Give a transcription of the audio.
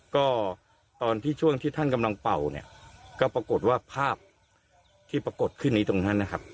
ก็ตอนที่ช่วงที่ท่านกำลังเป่าเนี่ยก็ปรากฏว่าภาพที่ปรากฏขึ้นในตรงนั้นนะครับ